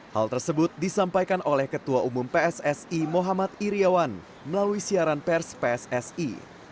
hal tersebut disampaikan oleh ketua umum pssi muhammad iryawan melalui siaran pers pssi